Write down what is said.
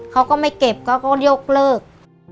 เขาก็ไม่เก็บเขาก็ยกเลิก